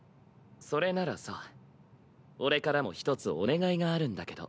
それならさ俺からも一つお願いがあるんだけど。